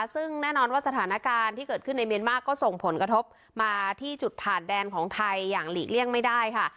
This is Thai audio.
ซึ่งแน่นอนว่าสถานการณ์ที่เกิดขึ้นในเมียนมาร์ก็ส่งผลกระทบมาที่จุดผ่านแดนของไทยอย่างหลีกเลี่ยงไม่ได้ค่ะ